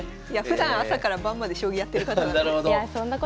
ふだん朝から晩まで将棋やってる方なんで。